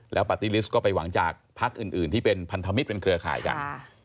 ปาร์ตี้ลิสต์ก็ไปหวังจากพักอื่นที่เป็นพันธมิตรเป็นเครือข่ายกัน